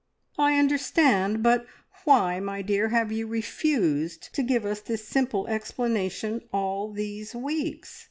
"I understand! But why, dear, have you refused to give us this simple explanation all these weeks?